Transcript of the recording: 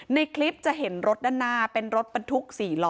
ในคลิปจะเห็นรถด้านหน้าเป็นรถบรรทุก๔ล้อ